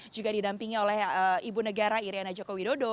juga didampingi oleh ibu negara iryana joko widodo